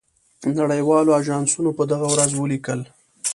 نړۍ والو آژانسونو په دغه ورځ ولیکل.